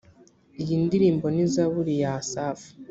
iyi ndirimbo ni zaburi ya asafu